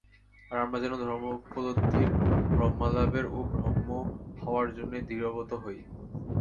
আর আমরা যেন ধর্মোপলব্ধির, ব্রহ্মলাভের ও ব্রহ্ম হওয়ার জন্যই দৃঢ়ব্রত হই।